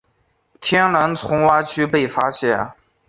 天蓝丛蛙区被发现。